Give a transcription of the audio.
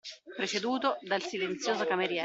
Preceduto dal silenzioso cameriere